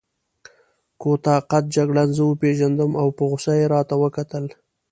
کوتاه قد جګړن زه وپېژندم او په غوسه يې راته وکتل.